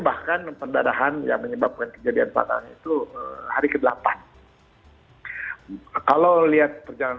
bahkan pendarahan yang menyebabkan kejadian salah itu hari ke delapan kalau lihat perjalanan